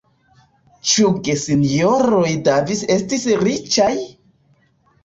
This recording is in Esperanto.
Ĉu gesinjoroj Davis estis riĉaj?